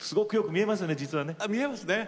見えますね。